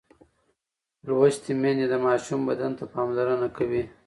لوستې میندې د ماشوم بدن ته پاملرنه کوي.